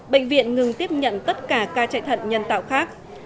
bệnh viện ngừng tiếp nhận tất cả ca chạy thận nhân tạo khác